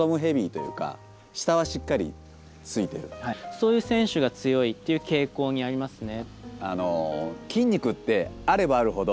そういう選手が強いっていう傾向にありますね。